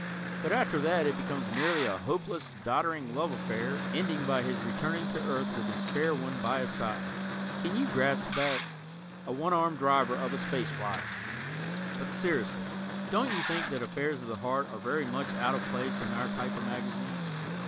But after that it becomes merely a hopeless, doddering love affair ending by his returning to Earth with his fair one by his side. Can you grasp that a one armed driver of a space flyer! But seriously, don't you think that affairs of the heart are very much out of place in "our" type of magazine?